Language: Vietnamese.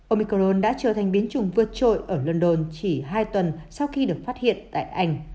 omicron đã trở thành biến chủng vượt trội ở london chỉ hai tuần sau khi được phát hiện tại anh